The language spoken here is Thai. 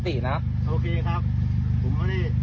โอเคครับผมน่ะเนี้ยดำใจจะโบงเลยเลย